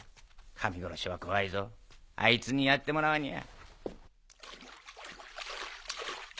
神殺しは怖いぞあいつにやってもらわにゃ。